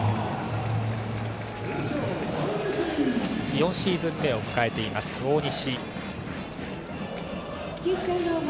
４シーズン目を迎えています大西。